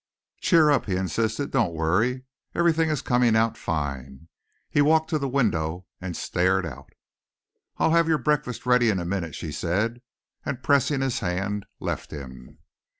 "Cheer up," he insisted. "Don't worry. Everything is coming out fine." He walked to the window and stared out. "I'll have your breakfast ready in a minute," she said, and, pressing his hand, left him.